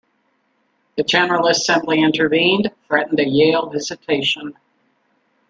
The General Assembly intervened, threatened a Yale "visitation".